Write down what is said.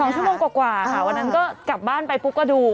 ๒ชั่วโมงกว่าค่ะวันนั้นก็กลับบ้านไปปุ๊บก็ดู